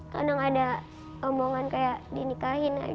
kadang ada omongan kayak dinikahin aja gitu